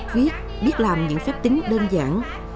viết biết làm những phép tính đơn giản